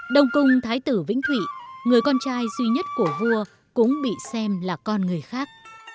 đồng cung thái tử vĩnh thủy người con trai duy nhất của vua cũng bị xem là con người khác